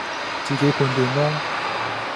自己判斷囉